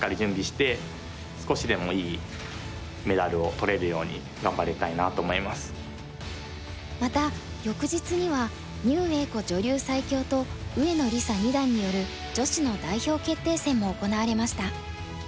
せっかく日本代表に選んで頂いたのでまた翌日には牛栄子女流最強と上野梨紗二段による女子の代表決定戦も行われました。